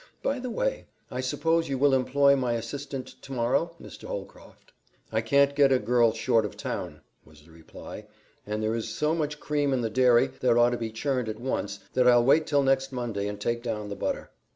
By the way, I suppose you will employ my assistant tomorrow, Mr. Holcroft." "I can't get a girl short of town," was the reply, "and there is so much cream in the dairy that ought to be churned at once that I'll wait till next Monday and take down the butter."